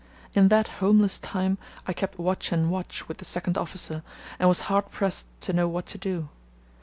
In that homeless time I kept watch and watch with the second officer, and was hard pressed to know what to do.